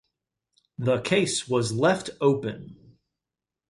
The case was left open.